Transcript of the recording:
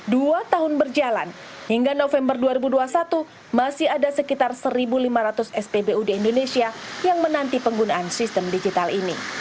dua tahun berjalan hingga november dua ribu dua puluh satu masih ada sekitar satu lima ratus spbu di indonesia yang menanti penggunaan sistem digital ini